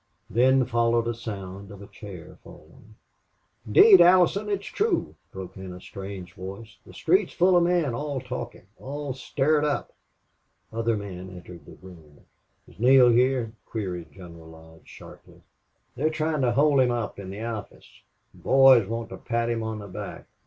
Then followed a sound of a chair falling. "Indeed, Allison, it's true," broke in a strange voice. "The street's full of men all talking all stirred up." Other men entered the room. "Is Neale here?" queried General Lodge, sharply. "They're trying to hold him up in the office. The boys want to pat him on the back....